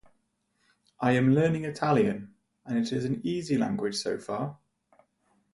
I am learning Italian, and it is an easy language so far.